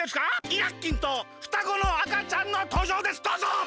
イラッキンとふたごのあかちゃんのとうじょうですどうぞ！